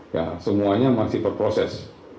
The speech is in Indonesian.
ya semuanya masih berproses